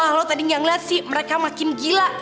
wah lo tadi gak ngeliat sih mereka makin gila